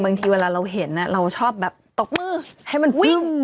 บางทีเวลาเราเห็นเราชอบตกมือให้มันฟึ้ม